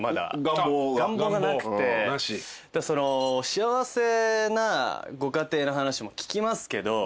幸せなご家庭の話も聞きますけど。